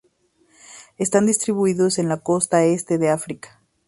Están distribuidos en la costa este de África.